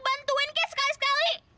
bantuin kek sekali sekali